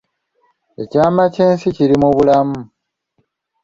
Ekyama ky’ensi kiri mu bulamu